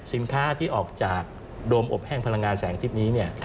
สินค้าที่ออกจากโดมอบแห้งพลังงานแสงอาทิตย์นี้